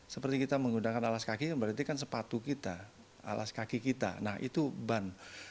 seperti kita menggunakan alas kaki berarti kan sepatu kita alas kaki kita nah itu ban